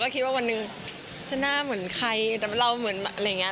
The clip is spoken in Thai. ทีกวันนึงจะหน้าเหมือนใครแต่เราเหมือนอะไรเงี้ย